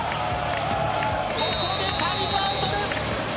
ここでタイムアウトです。